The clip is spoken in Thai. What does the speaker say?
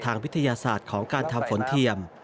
วิทยาศาสตร์ของการทำฝนเทียม